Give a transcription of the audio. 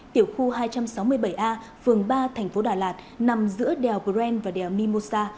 tiểu khu hai trăm sáu mươi bảy a phường ba thành phố đà lạt nằm giữa đèo green và đèo mimosa